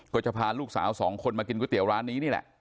ก็จะพาลูกสาวสองคนมากินก๋วยเตี๋ยวร้านนี้นี่แหละ